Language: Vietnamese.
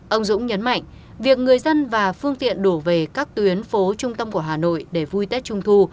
ông dũng nhấn mạnh việc người dân và phương tiện đổ về các tuyến phố trung tâm của hà nội để vui tết trung thu